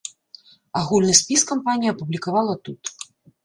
Агульны спіс кампанія апублікавала тут.